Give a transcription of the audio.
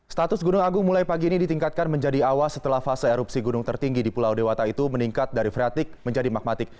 status gunung agung mulai pagi ini ditingkatkan menjadi awas setelah fase erupsi gunung tertinggi di pulau dewata itu meningkat dari freatik menjadi magmatik